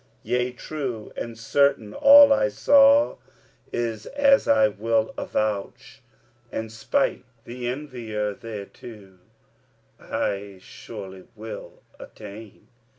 Yea, true and certain all I saw is, as I will avouch, And 'spite the envier, thereto I surely will attain.